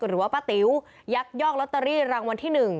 หรือว่าป้าติ๋วยักยอกลอตเตอรี่รางวัลที่๑